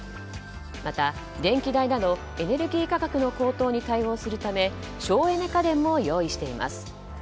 また、電気代などエネルギー価格の高騰に対応するため省エネ家電も用意しています。